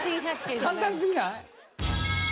簡単すぎない？